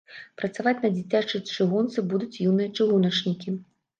Працаваць на дзіцячай чыгунцы будуць юныя чыгуначнікі.